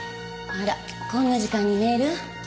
あらこんな時間にメール？